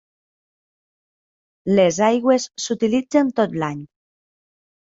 Les aigües s'utilitzen tot l'any.